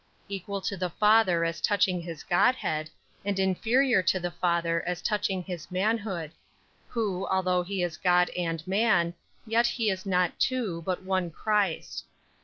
33. Equal to the Father as touching His Godhead, and inferior to the Father as touching His manhood. 34. Who, although He is God and man, yet He is not two, but one Christ.